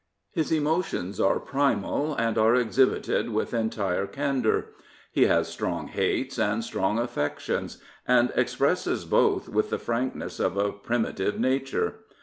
His emotions are primal and are exhibited with .toaikt candour. He has strong hates and strong 294 John Burns affections, and expresses both with the frankness of a primitive nature.